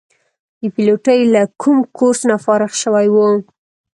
د پیلوټۍ له کوم کورس نه فارغ شوي وو.